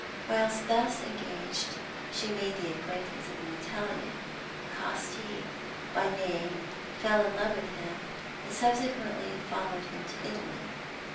Whilst thus engaged, she made the acquaintance of an Italian, Casti by name, fell in love with him, and subsequently followed him to Italy.